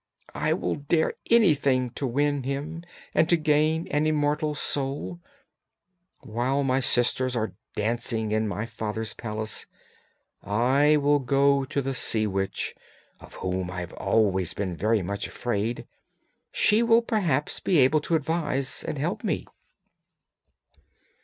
I will dare anything to win him and to gain an immortal soul! While my sisters are dancing in my father's palace I will go to the sea witch, of whom I have always been very much afraid; she will perhaps be able to advise and help me!'